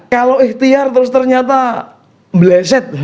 kalau ikhtiar terus ternyata bleset